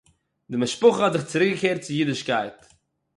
די משפּחה האָט זיך צוריקגעקערט צו אידישקייט